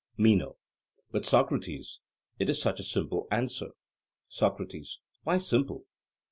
MENO: But, Socrates, it is such a simple answer. SOCRATES: Why simple?